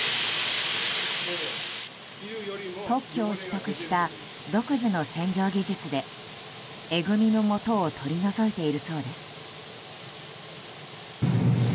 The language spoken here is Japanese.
特許を取得した独自の洗浄技術でえぐみのもとを取り除いているそうです。